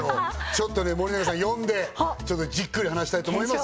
ちょっとね森永さん呼んでじっくり話したいと思います